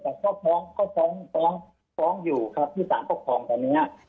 แต่ก็ฟ้องก็ฟ้องฟ้องฟ้องอยู่ครับที่สามต้องฟ้องตอนเนี้ย